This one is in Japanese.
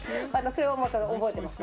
それを覚えてます